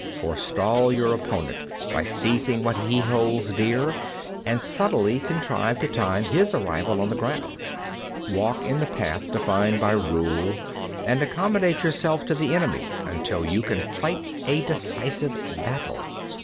66. Forestall your opponent by seizing what he holds dear, and subtly contrive to time his arrival on the ground. 67. Walk in the path defined by rule, and accommodate yourself to the enemy until you can fight a decisive battle.